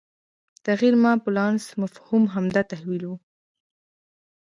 تغیر ما بالانفس مفهوم همدا تحول وي